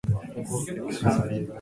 がんばろう